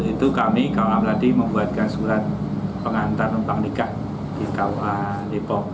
itu kami kua melati membuatkan surat pengantar uang nikah di kua depok